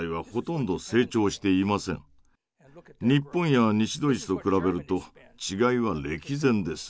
日本や西ドイツと比べると違いは歴然です。